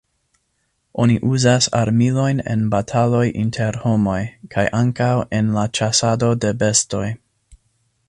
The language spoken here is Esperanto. Oni uzas armilojn en bataloj inter homoj, kaj ankaŭ en la ĉasado de bestoj.